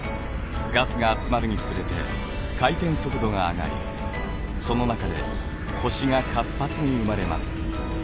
ガスが集まるにつれて回転速度が上がりその中で星が活発に生まれます。